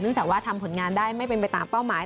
จากว่าทำผลงานได้ไม่เป็นไปตามเป้าหมาย